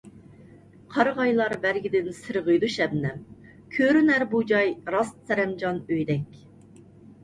قارىغايلار بەرگىدىن سىرغىيدۇ شەبنەم، كۆرۈنەر بۇ جاي راست سەرەمجان ئۆيدەك.